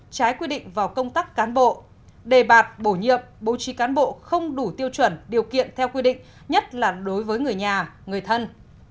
trái quy định vào công tác cán bộ đề bạt bổ nhiệm bố trí cán bộ không đủ tiêu chuẩn điều kiện theo quy định nhất là đối với người nhà người thân